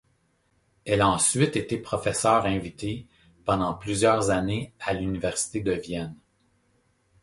Il a ensuite été professeur invité pendant plusieurs années à l'Université de Vienne.